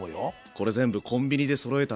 これ全部コンビニでそろえたんだぜ。